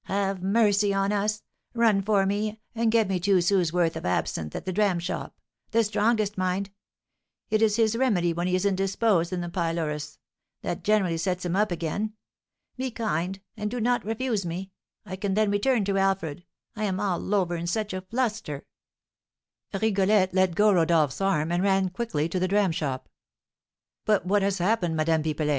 Have mercy on us! Run for me, and get me two sous' worth of absinthe at the dram shop, the strongest, mind; it is his remedy when he is indisposed in the pylorus, that generally sets him up again. Be kind, and do not refuse me, I can then return to Alfred; I am all over in such a fluster." Rigolette let go Rodolph's arm, and ran quickly to the dram shop. "But what has happened, Madame Pipelet?"